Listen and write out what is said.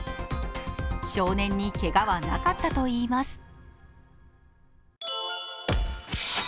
少年にけがはなかったといいます。